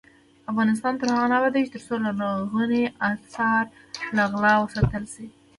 افغانستان تر هغو نه ابادیږي، ترڅو لرغوني اثار له غلا وساتل شي.